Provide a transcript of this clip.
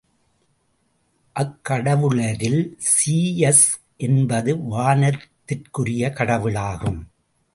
அக்கடவுளரில் Zeus என்பது வானத்திற்குரிய கடவுளாகும்.